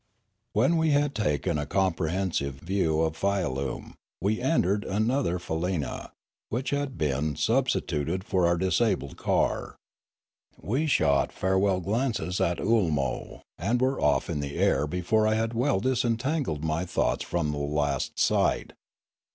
When we had taken a comprehensive view of Fia lume, we entered another faleena, which had been sub stituted for our disabled car. We shot farewell glances 72 Limanora at Oolmo and were off in the air before I had well dis entangled my thoughts from the last sight.